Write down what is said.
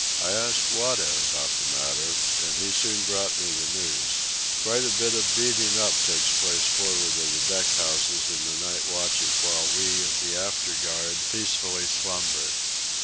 I asked Wada about the matter, and he soon brought me the news. Quite a bit of beating up takes place for'ard of the deck houses in the night watches while we of the after guard peacefully slumber.